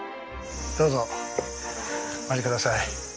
どうぞお入りください。